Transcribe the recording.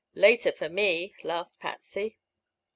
"Later, for me," laughed Patsy.